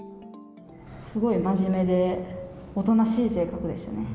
すごい真面目で、おとなしい性格でしたね。